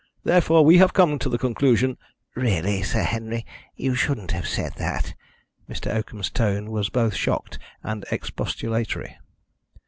Therefore, we have come to the conclusion " "Really, Sir Henry, you shouldn't have said that." Mr. Oakham's tone was both shocked and expostulatory.